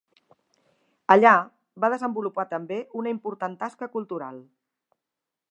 Allà va desenvolupar també una important tasca cultural.